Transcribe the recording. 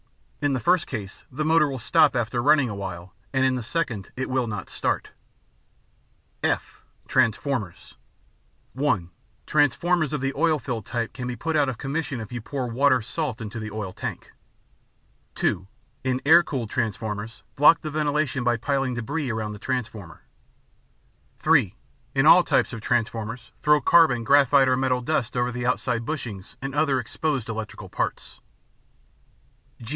In the first case, the motor will stop after running awhile, and in the second, it will not start. (f) Transformers (1) Transformers of the oil filled type can be put out of commission if you pour water, salt water, machine tool coolant, or kerosene into the oil tank. (2) In air cooled transformers, block the ventilation by piling debris around the transformer. (3) In all types of transformers, throw carbon, graphite or metal dust over the outside bushings and other exposed electrical parts.